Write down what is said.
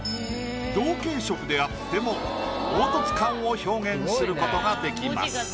同系色であっても凹凸感を表現することができます。